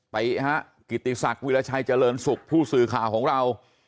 ฮะกิติศักดิ์วิราชัยเจริญสุขผู้สื่อข่าวของเรา